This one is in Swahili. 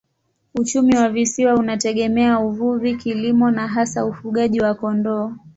Uchumi wa visiwa unategemea uvuvi, kilimo na hasa ufugaji wa kondoo.